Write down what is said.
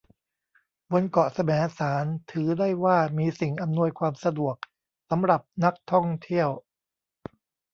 บนเกาะแสมสารถือได้ว่ามีสิ่งอำนวยความสะดวกสำหรับนักท่องเที่ยว